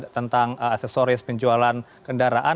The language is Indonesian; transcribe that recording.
tentang aksesoris penjualan kendaraan